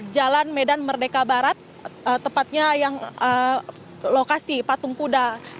jalan medan merdeka barat tepatnya yang lokasi patung kuda